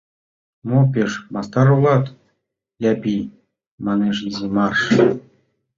— Мо пеш мастар улат, Япий? — манеш изи марш!.